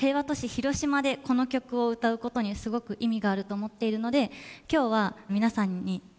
広島でこの曲を歌うことにすごく意味があると思っているので今日は皆さんに届くように歌わせて頂きます。